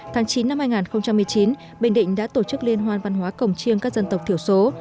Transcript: tháng chín năm hai nghìn một mươi chín bình định đã tổ chức liên hoan văn hóa cổng chiêng các dân tộc thiểu số